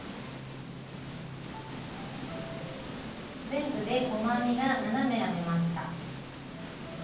全部で細編みが７目編めました。